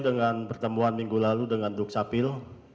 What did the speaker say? dan pertemuan minggu lalu dengan duk sapil